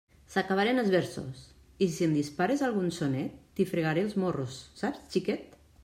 S'acabaren els versos; i si em dispares algun sonet, t'hi fregaré els morros, saps xiquet?